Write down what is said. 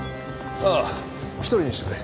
ああ一人にしてくれ。